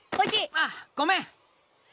ああごめん。